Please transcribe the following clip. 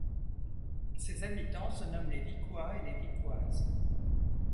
Ses habitants se nomment les Vicois et les Vicoises.